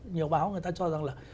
nhiều báo người ta cho rằng là